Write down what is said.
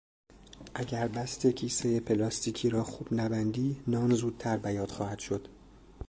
اگر بست کیسهی پلاستیکی را خوب نبندی نان زودتر بیات خواهد شد.